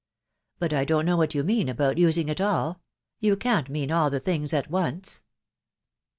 But I don't know what you mean about using it ali, — you can't mean all the things at once?"